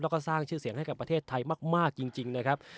แล้วก็สร้างชื่อเสียงให้กับประเทศไทยมากจริงนะครับ